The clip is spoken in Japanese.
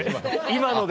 今ので。